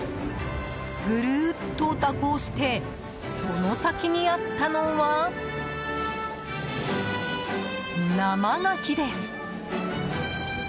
グルっと蛇行してその先にあったのは、生牡蠣です。